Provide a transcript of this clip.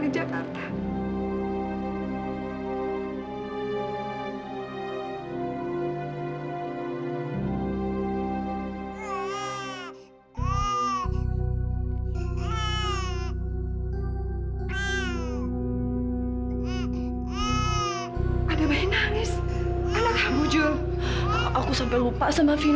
jangan anis lagi ya vin